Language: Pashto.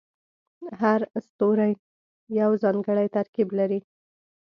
هر ستوری یو ځانګړی ترکیب لري.